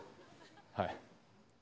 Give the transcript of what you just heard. はい。